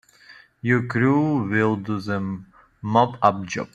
Your crew will do the mop up job.